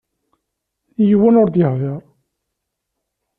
Yiwen ur d-yehdiṛ.